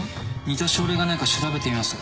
似た症例がないか調べてみます。